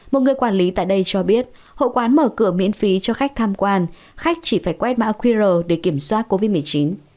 một người quản lý tại đây cho biết hội quán mở cửa miễn phí cho khách tham quan khách chỉ phải quét mã qr để kiểm soát covid một mươi chín